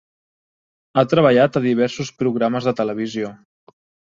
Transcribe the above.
Ha treballat a diversos programes de televisió.